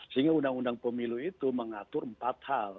sehingga undang undang pemilu itu mengatur empat hal